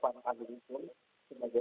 karena apa yang dimaksud dengan pendodaan